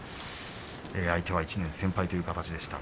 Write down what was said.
相手は１年先輩という形でした。